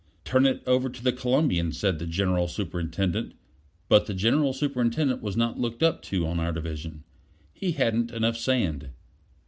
"Turn it over to the Columbian," said the General Superintendent; but the General Superintendent was not looked up to on our division. He hadn't enough sand.